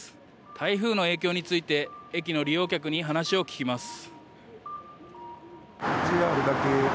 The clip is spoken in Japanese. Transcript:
台風の影響について駅の利用客に話を聞きます。